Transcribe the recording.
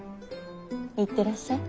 行ってらっしゃい。